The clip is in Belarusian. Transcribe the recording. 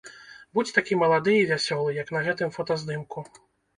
Будзь такі малады і вясёлы, як на гэтым фотаздымку.